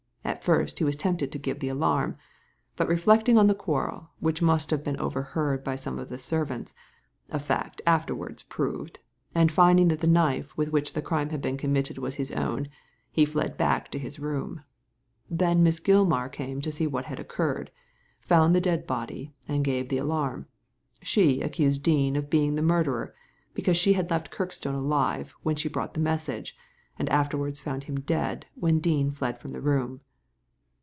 At first he was tempted to give the alarm ; but reflecting on the quarrel, which must have been overheard by some of the servants — ^a fact afterwards proved — ^and finding that the knife with which the crime had been com mitted was his own, he fled back to his room. Then Miss Gilmar came to see what had occurred — found the dead body, and gave the alarm. She accused Dean of being the murderer, because she had left Kirkstone alive when she brought the message, and afterwards found him dead when Dean fled from the room."